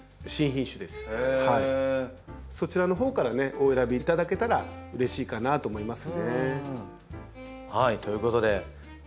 そちらのほうからお選びいただけたらうれしいかなと思いますね。ということでらみさん